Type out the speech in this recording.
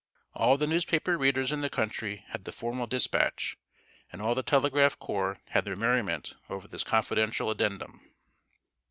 All the newspaper readers in the country had the formal dispatch, and all the telegraph corps had their merriment over this confidential addendum.